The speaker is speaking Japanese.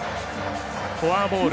フォアボール